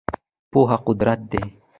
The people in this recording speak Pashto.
پوهه قدرت دی .